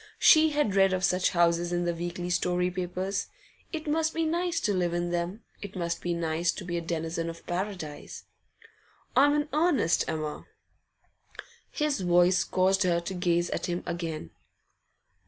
She had read of such houses in the weekly story papers. It must be nice to live in them; it must be nice to be a denizen of Paradise. 'I'm in earnest, Emma.' His voice caused her to gaze at him again.